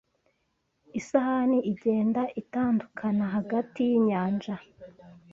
Isahani igenda itandukana hagati yinyanja